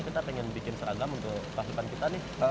kita pengen bikin seragam untuk pasukan kita nih